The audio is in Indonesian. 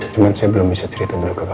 cuman saya belum bisa ceritain dulu ke kamu ya